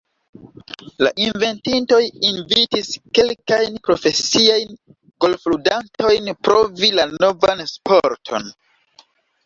La inventintoj invitis kelkajn profesiajn golfludantojn provi la novan sporton.